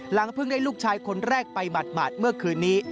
เพิ่งได้ลูกชายคนแรกไปหมาดเมื่อคืนนี้